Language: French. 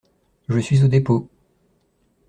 Je suis au dépôt.